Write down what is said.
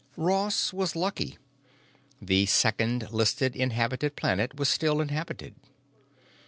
..... 5 ROSS was lucky. The second listed inhabited planet was still inhabited.